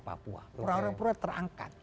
papua orang orang pura terangkat